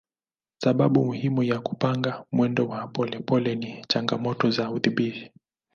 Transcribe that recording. Sababu muhimu ya kupanga mwendo wa polepole ni changamoto za udhibiti.